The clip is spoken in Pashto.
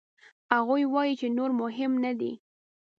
هغوی وايي چې نور مهم نه دي.